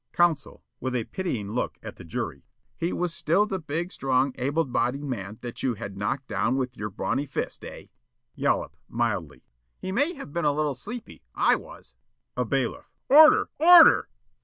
Counsel, with a pitying look at the jury: "He was still the big, strong, able bodied man that you had knocked down with your brawny fist, eh?" Yollop, mildly: "He may have been a little sleepy. I was." A Bailiff: "Order! ORDER!"